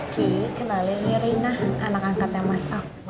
ki kenalin ini rena anak angkatnya mas al